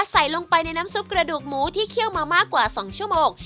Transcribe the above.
ใส่ลงไปในน้ำซุปกระดูกหมูที่เคี่ยวมามากกว่า๒ชั่วโมง